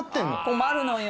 困るのよ。